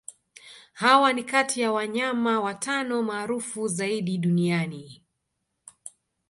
Hawa ni kati ya wanyama watano maarufu zaidi duniani